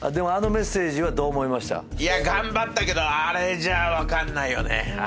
いや頑張ったけどあれじゃ分かんないよね。